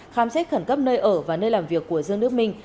khám xét khẩn cấp nơi ở và nơi làm việc của dương đức minh